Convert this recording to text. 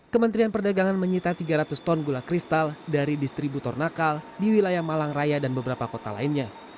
kementerian perdagangan menyita tiga ratus ton gula kristal dari distributor nakal di wilayah malang raya dan beberapa kota lainnya